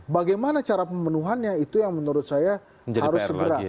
bagaimana cara pemenuhannya itu yang menurut saya harus segera